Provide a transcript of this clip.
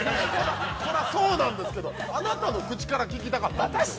◆そらそうなんですけど、あなたの口から聞きたかったんです。